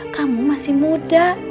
kamu masih muda